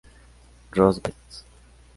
Rose West.